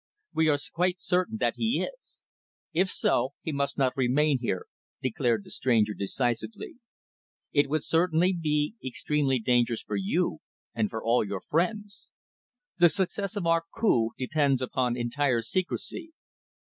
"We are quite certain that he is." "If so, he must not remain here," declared the stranger decisively. "It would certainly be extremely dangerous for you, and for all your friends. The success of our coup depends upon entire secrecy.